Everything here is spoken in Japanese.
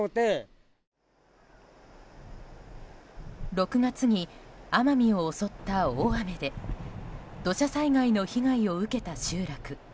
６月に奄美を襲った大雨で土砂災害の被害を受けた集落。